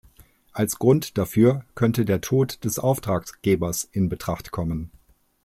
Als Grund dafür könnte der Tod des Auftraggebers in Betracht kommen.